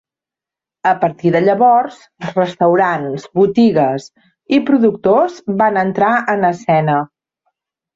A partir de llavors, restaurants, botigues i productors van entrar en escena.